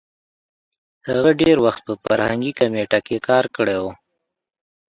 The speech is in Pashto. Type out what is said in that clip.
هغه ډېر وخت په فرهنګي کمېټه کې کار کړی وو.